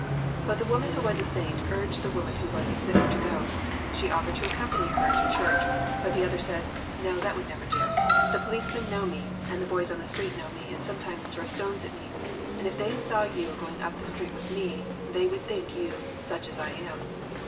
But the woman who was a saint urged the woman who was a sinner to go. She offered to accompany her to the church, but the other said, "No, that would never do. The policemen know me and the boys on the street know me and sometimes throw stones at me, and if they saw you going up the street with me they would think you such as I am."